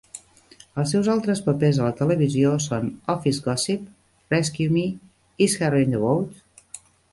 Els seus altres papers a la televisió són "Office Gossip", "Rescue Me", "Is Harry on the Boat?"